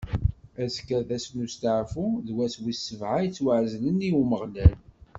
Azekka d ass n usteɛfu, d ass wis sebɛa yettwaɛezlen i Umeɣlal.